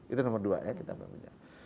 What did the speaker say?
itu nomor dua ya kita bangun